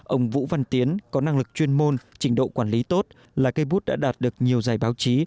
ông vũ văn tiến có năng lực chuyên môn trình độ quản lý tốt là cây bút đã đạt được nhiều giải báo chí